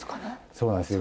そうなんですよ